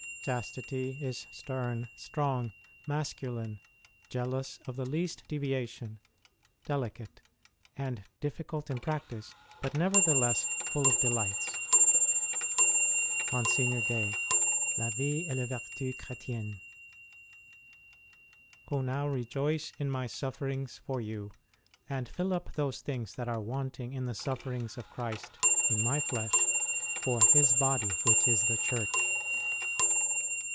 Chastity ... is stern, strong, masculine, jealous of the least deviation, delicate and difficult in practice, but never theless full of delights. MGR. GAY : Lit vie et les vertus CJiretiennes. Who now rejoice in my sufferings for you, and fill up those things that are wanting in the sufferings of Christ, in my flesh, for His body which is the Church.